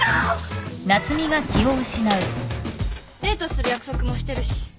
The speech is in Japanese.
デートする約束もしてるし。